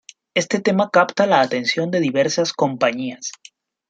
Este tema capta la atención de diversas compañías.